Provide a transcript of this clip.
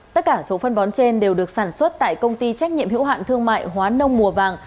tất cả số phân bón trên đều được sản xuất tại công ty trách nhiệm hữu hạn thương mại hóa nông mùa vàng